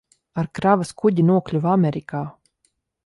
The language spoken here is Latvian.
Ar kravas kuģi nokļuva Amerikā.